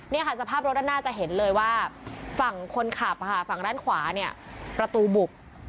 นี่ค่ะสภาพรถด้านหน้าจะเห็นเลยว่าฝั่งคนขับค่ะฝั่งด้านขวาเนี่ยประตูบุก